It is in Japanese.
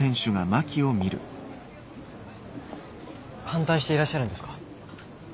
反対していらっしゃるんですか？